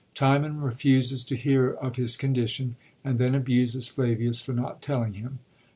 Timon refuses to hear of his condition, and then abiises Flavius for not telling him.